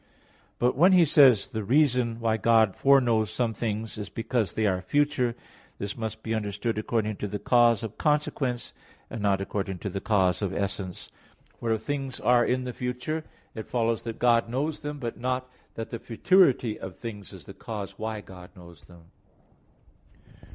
But when he says the reason why God foreknows some things is because they are future, this must be understood according to the cause of consequence, and not according to the cause of essence. For if things are in the future, it follows that God knows them; but not that the futurity of things is the cause why God knows them.